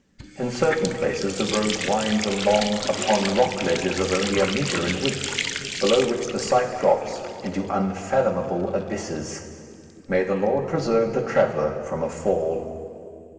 In certain places the road winds along upon rock ledges of only a metre in width, below which the sight drops into unfathomable abysses. May the Lord preserve the traveller from a fall!